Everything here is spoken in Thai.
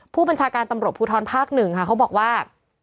ผู้บัญชาการตำรวจภูทรภาค๑ค่ะเขาบอกว่า